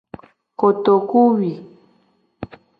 Kotokuwui.